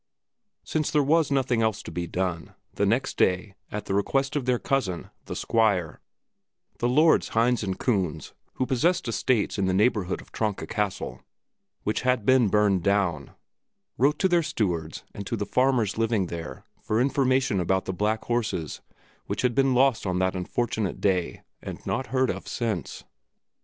Since there was nothing else to be done, the next day, at the request of their cousin, the Squire, the lords Hinz and Kunz, who possessed estates in the neighborhood of Tronka Castle, which had been burned down, wrote to their stewards and to the farmers living there for information about the black horses which had been lost on that unfortunate day and not heard of since.